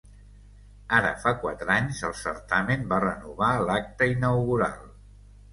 Ara fa quatre anys, el certamen va renovar l’acte inaugural.